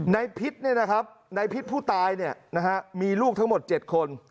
ในพิษเนี่ยนะครับในพิษผู้ตายเนี่ยนะฮะมีลูกทั้งหมด๗คน